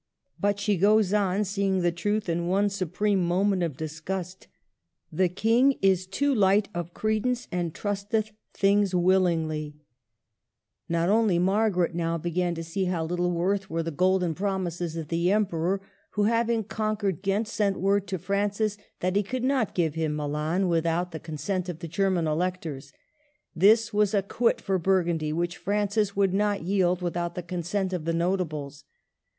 But she goes on, seeing the truth in one supreme moment of disgust, " The King is too light of credence, and trusteth things willingly." Not l8o MARGARET OF ANGOULtME. only Margaret now began to see how little worth were the golden promises of the Emperor, who, having conquered Ghent, sent word to Francis that he could not give him Milan without the consent of the German Electors. This was a quit for Burgundy, which Francis would not yield without the consent of the Notables.